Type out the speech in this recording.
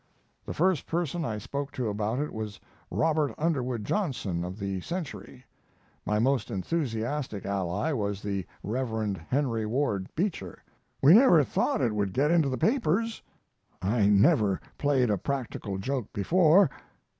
The first person I spoke to about it was Robert Underwood Johnson, of the Century. My most enthusiastic ally was the Rev. Henry Ward Beecher. We never thought it would get into the papers. I never played a practical joke before.